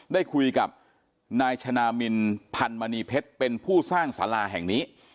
ได้คุยกับนายชนะมินพันมณีเพชรเป็นผู้สร้างสาราแห่งนี้